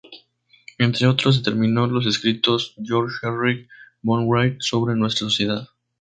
Entre otros, determinó los escritos de Georg Henrik von Wright sobre nuestra sociedad.